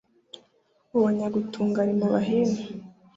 Uwo nyagutunga rimuba hino.